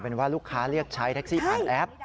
เป็นว่าลูกค้าเรียกใช้แท็กซี่ผ่านแอป